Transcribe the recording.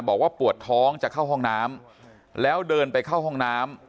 บอกว่าปวดท้องจะเข้าห้องน้ำแล้วเดินไปเข้าห้องน้ำ